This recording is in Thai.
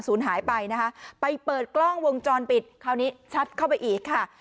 หายไปนะคะไปเปิดกล้องวงจรปิดคราวนี้ชัดเข้าไปอีกค่ะ